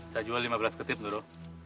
saya jual lima belas ketip dulu